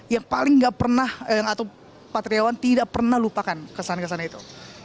yang paling nggak pernah atau pak triawan tidak pernah lupakan kesan kesannya itu